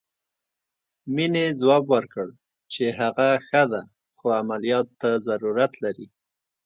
مينې ځواب ورکړ چې هغه ښه ده خو عمليات ته ضرورت لري.